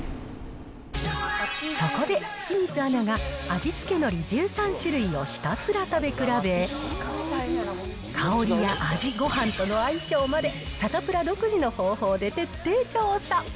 そこで、清水アナが味付けのり１３種類をひたすら食べ比べ、香りや味、ごはんとの相性まで、サタプラ独自の方法で徹底調査。